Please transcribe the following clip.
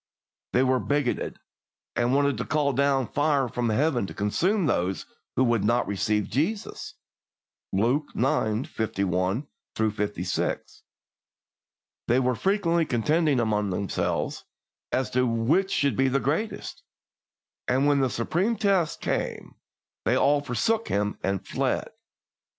They were bigoted, and wanted to call down fire from Heaven to consume those who would not receive Jesus (Luke ix. 51 56); they were frequently contending among themselves as to which should be the greatest, and when the supreme test came they all forsook Him and fled.